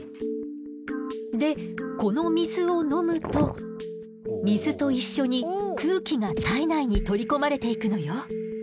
でこの水を飲むと水と一緒に空気が体内に取り込まれていくのよ。